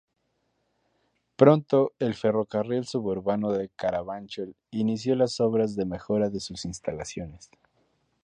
Pronto el Ferrocarril Suburbano de Carabanchel inició las obras de mejora de sus instalaciones.